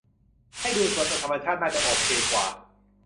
ให้ดูสวยแบบธรรมชาติน่าจะโอเคกว่า